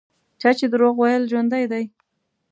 چا چې دروغ ویل ژوندي دي.